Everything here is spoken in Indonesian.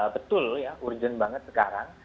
betul ya urgent banget sekarang